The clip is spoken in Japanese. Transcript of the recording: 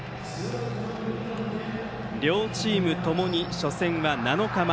両チームともに初戦は７日前。